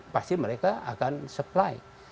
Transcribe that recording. pasti mereka akan supply